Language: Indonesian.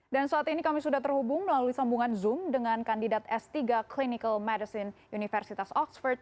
dan saat ini kami sudah terhubung melalui sambungan zoom dengan kandidat s tiga clinical medicine universitas oxford